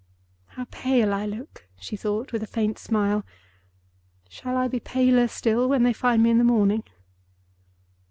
"How pale I look!" she thought, with a faint smile. "Shall I be paler still when they find me in the morning?"